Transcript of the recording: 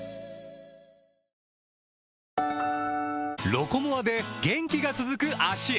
「ロコモア」で元気が続く脚へ！